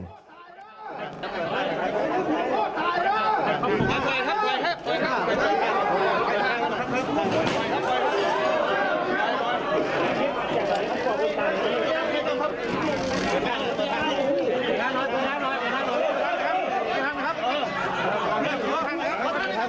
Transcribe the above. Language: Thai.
กล้านหน่อยกล้านหน่อย